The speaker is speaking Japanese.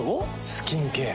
スキンケア。